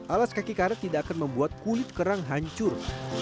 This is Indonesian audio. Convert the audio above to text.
alas kaki karet tidak akan membuat kulit kerang hancur